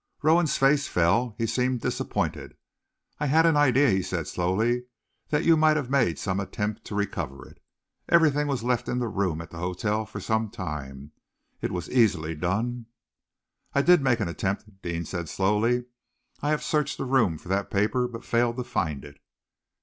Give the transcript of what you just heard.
Rowan's face fell. He seemed disappointed. "I had an idea," he said slowly, "that you might have made some attempt to recover it. Everything was left in the room at the hotel for some time. It was easily done." "I did make an attempt," Deane said slowly. "I have searched the room for that paper, but failed to find it."